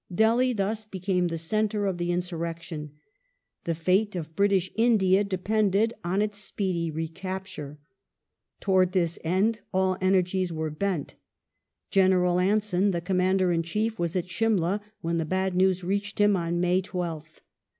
Delhi thus became the centre of the insuiTection. The fate of British India depended on its speedy recapture. Towards this end all energies were bent. General Anson, the Commander in Chief, was at Simla when the bad news reached him on May 12th.